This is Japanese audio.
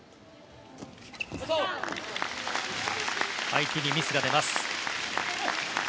相手にミスが出ます。